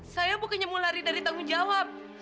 saya bukannya mau lari dari tanggung jawab